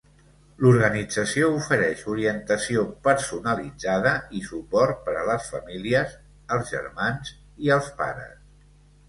L'organització ofereix orientació personalitzada i suport per a les famílies, els germans i els pares.